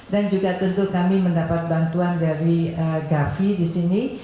dan juga tentu kami mendapat bantuan dari gavi di sini